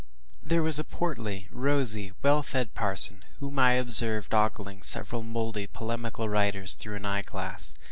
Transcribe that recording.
There was a portly, rosy, well fed parson, whom I observed ogling several mouldy polemical writers through an eyeglass.